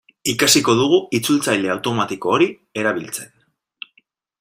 Ikasiko dugu itzultzaile automatiko hori erabiltzen.